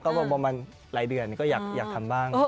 ก็ประมาณหลายเดือนก็อยากทำบ้าง